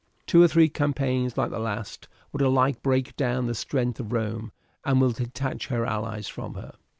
Two or three campaigns like the last would alike break down the strength of Rome, and will detach her allies from her.